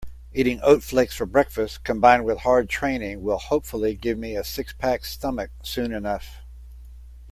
Eating oat flakes for breakfast combined with hard training will hopefully give me a six-pack stomach soon enough.